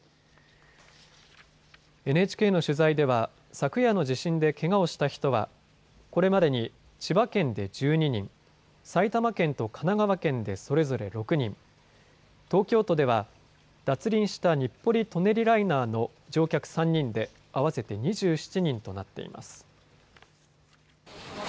ＮＨＫの取材では昨夜の地震でけがをした人はこれまでに千葉県で１２人、埼玉県と神奈川県でそれぞれ６人、東京都では脱輪した日暮里・舎人ライナーの乗客３人で合わせて２７人となっています。